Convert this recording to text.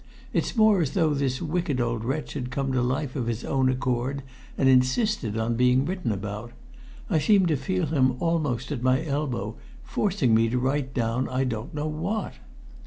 It's more as though this wicked old wretch had come to life of his own accord and insisted on being written about. I seem to feel him almost at my elbow, forcing me to write down I don't know what."